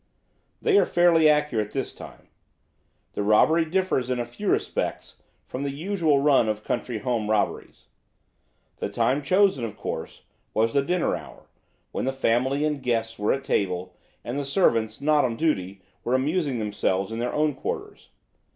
"They are fairly accurate this time. The robbery differs in few respects from the usual run of country house robberies. The time chosen, of course, was the dinner hour, when the family and guests were at table and the servants not on duty were amusing themselves in their own quarters.